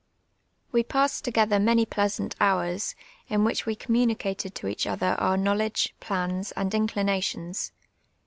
We j)assed together many pleasant hours, in which we communicated to each other our knowledge, plans, and inclinations.